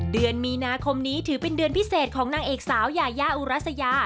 เดือนมีนาคมนี้ถือเป็นเดือนพิเศษของนางเอกสาวยายาอุรัสยา